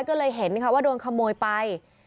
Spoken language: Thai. ก็เลยเห็นว่าโดนขโมยไป